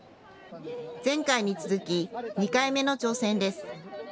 前回に続き、２回目の挑戦です。